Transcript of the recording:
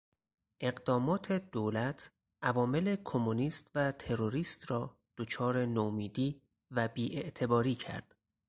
اقدامات دولتعوامل کمونیست و تروریست را دچار نومیدی و بیاعتباری کرد.